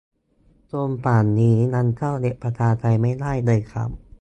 จนป่านนี้ยังเข้าเว็บประชาไทไม่ได้เลยครับ